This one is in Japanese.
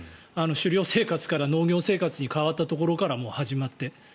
狩猟生活から農業生活に変わったところから始まって。